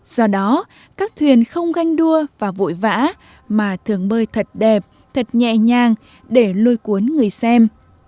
do đó các thuyền không ganh đua và vội vã mà thường bơi thật đẹp thật nhẹ nhàng để lôi cuốn người xem